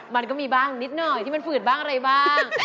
มันก็มีบ้างนิดหน่อยที่มันฝืดบ้างอะไรบ้าง